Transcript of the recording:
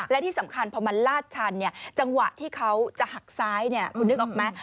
และที่สำคัญพอมันลาดชันจังหวะที่เขาจะหักซ้ายคุณนึกออกไหม